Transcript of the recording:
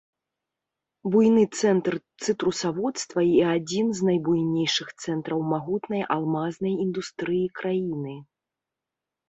Буйны цэнтр цытрусаводства і адзін з найбуйнейшых цэнтраў магутнай алмазнай індустрыі краіны.